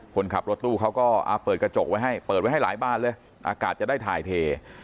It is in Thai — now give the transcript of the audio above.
คนขับรถตู้เขาก็เปิดกระจกไว้ให้เปิดไว้ให้หลายบานเลยอากาศจะได้ถ่ายเท